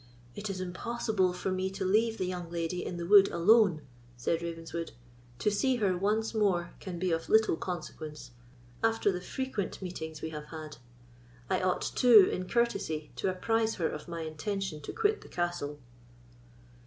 "It is impossible for me to leave the young lady in the wood alone," said Ravenswood; "to see her once more can be of little consequence, after the frequent meetings we have had. I ought, too, in courtesy, to apprise her of my intention to quit the castle."